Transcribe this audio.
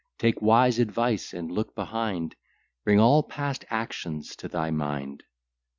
Take wise advice, and look behind, Bring all past actions to thy mind.